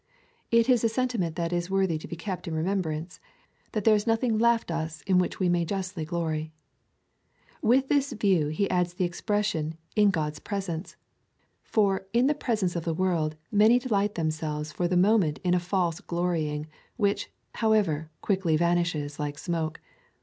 It is a sentiment that is worthy to be kept in remembrance — that there is nothing left us in which we may justly glory. With this view he adds the expression in Ood's presence. For in the presence of the world many delight themselves for the moment in a false glorying, which, however, quickly vanishes like smoke.